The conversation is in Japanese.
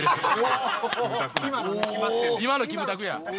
今のキムタクや。